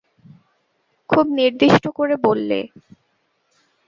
খুব নির্দিষ্ট করে বললে।